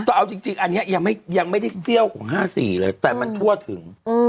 ต้องเอาจริงจริงอันนี้ยังไม่ยังไม่ได้เตี้ยวของห้าสี่เลยแต่มันทั่วถึง